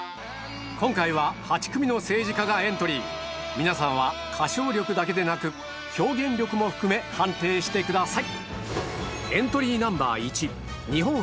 今回は８組の政治家がエントリー皆さんは歌唱力だけでなく表現力も含め判定してください